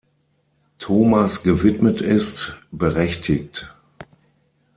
Thomas gewidmet ist, berechtigt.